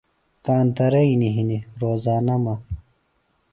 کانترئینی ہِنیۡ روزانہ مہ۔